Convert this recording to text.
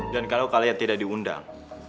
dan kalau kalian tidak diundang